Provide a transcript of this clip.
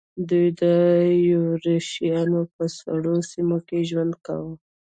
دوی د یوریشیا په سړو سیمو کې ژوند کاوه.